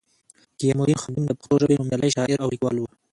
قیام الدین خادم د پښتو ژبې نومیالی شاعر او لیکوال وو